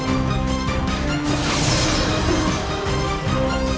kau akan sampai kemana mana